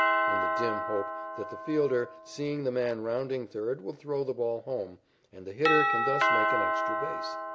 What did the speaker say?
in the dim hope that the fielder, seeing the man rounding third, will throw the ball home, and the hitter can thus make an extra base.